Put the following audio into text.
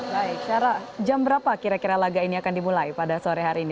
baik sarah jam berapa kira kira laga ini akan dimulai pada sore hari ini